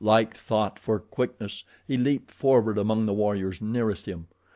Like thought, for quickness, he leaped forward among the warriors nearest him.